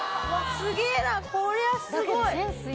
すげぇなこりゃすごい！